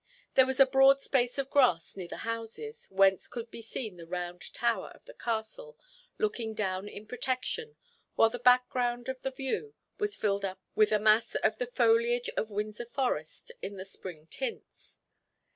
There was a broad space of grass near the houses, whence could be seen the Round Tower of the Castle looking down in protection, while the background of the view was filled up with a mass of the foliage of Windsor forest, in the spring tints.